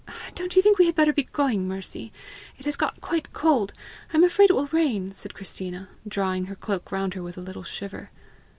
"Don't you think we had better be going, Mercy? It has got quite cold; I am afraid it will rain," said Christina, drawing her cloak round her with a little shiver.